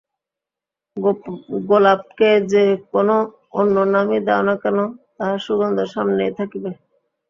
গোলাপকে যে-কোন অন্য নামই দাও না কেন, তাহার সুগন্ধ সমানেই থাকিবে।